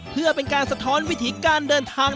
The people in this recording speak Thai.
เพื่อเป็นการสะท้อนวิถีการเดินทาง